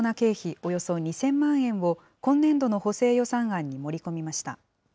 およそ２０００万円を今年度の補正予算案に盛り込みました。